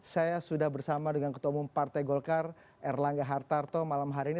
saya sudah bersama dengan ketua umum partai golkar erlangga hartarto malam hari ini